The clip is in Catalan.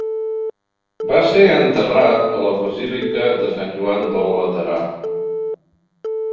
Va ser enterrat a la Basílica de Sant Joan del Laterà.